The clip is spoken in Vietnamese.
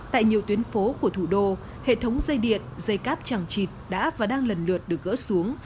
tại nhiều tuyến phố của thủ đô hệ thống dây điện dây cáp chẳng chịt đã và đang lần lượt được gỡ xuống